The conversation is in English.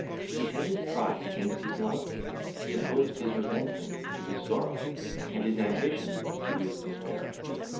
He set his pride against his love, he opposed his resentment to his sorrow, and his ambition to his despair.